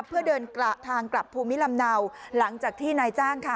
เพื่อเดินทางกลับภูมิลำเนาหลังจากที่นายจ้างค่ะ